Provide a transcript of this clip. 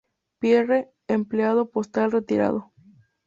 Pierre, empleado postal retirado.